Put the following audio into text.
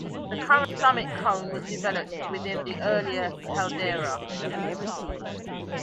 The current summit cone was developed within the earlier caldera.